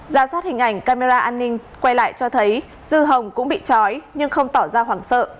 giả soát hình ảnh camera an ninh quay lại cho thấy dư hồng cũng bị trói nhưng không tỏ ra hoảng sợ